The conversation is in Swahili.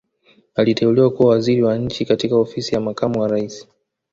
Aliteuliwa kuwa Waziri wa Nchi katika Ofisi ya Makamu wa Rais